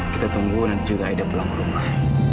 kita tunggu nanti juga ada pulang ke rumah